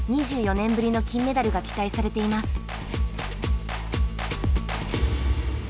２４年ぶりの金メダルが期待されています。